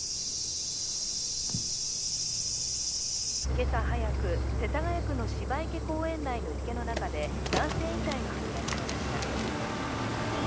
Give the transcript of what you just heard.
今朝早く世田谷区の芝池公園内の池の中で男性遺体が発見されました